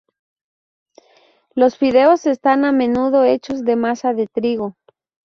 Los fideos, están a menudo hechos de masa de trigo.